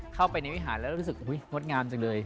เข้าไปในวิหารแล้วรู้สึกงดงามจังเลย